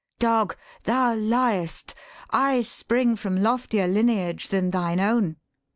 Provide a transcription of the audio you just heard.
'Dog, thou liest. I spring from loftier lineage than thine own.'